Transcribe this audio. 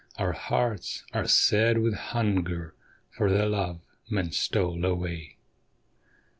^ Our hearts arc sad with hunger for the love man stole away.'